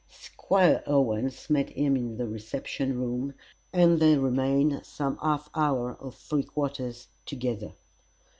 Squire Owens met him in the reception room, and they remained some half hour or three quarters together.